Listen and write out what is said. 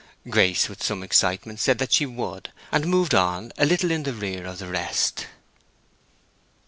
Grace, with some excitement, said that she would, and moved on a little in the rear of the rest.